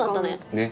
ねっ。